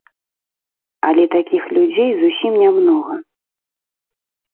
Але такіх людзей зусім нямнога.